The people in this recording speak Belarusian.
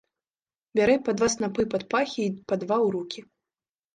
Бярэ па два снапы пад пахі й па два ў рукі.